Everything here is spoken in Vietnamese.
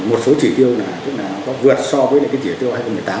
một số chỉ tiêu là tức là nó vượt so với cái chỉ tiêu hai nghìn một mươi tám